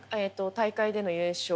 大会での優勝。